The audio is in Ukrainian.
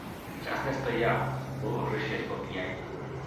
Час не стояв, було вже щось по п'ятій.